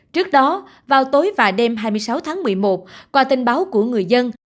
trước đó vào tối và đêm hai mươi sáu tháng một mươi một qua tin báo của người dân